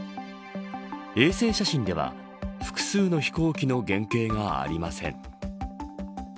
衛星写真では複数の飛行機の原型がありません。